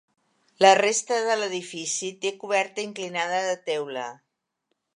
La resta de l'edifici té coberta inclinada de teula.